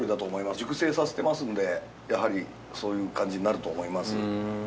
熟成させてますので、やはりそういう感じになると思います。